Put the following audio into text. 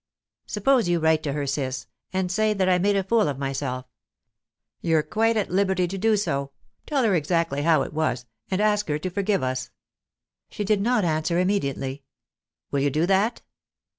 "Suppose you write to her, Ciss, and say that I made a fool of myself. You're quite at liberty to do so. Tell her exactly how it was, and ask her to forgive us." She did not answer immediately. "Will you do that?"